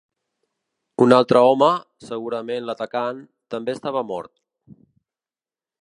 Un altre home, segurament l’atacant, també estava mort.